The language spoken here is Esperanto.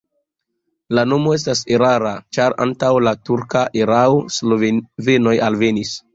La nomo estas erara, ĉar antaŭ la turka erao slovenoj alvenis.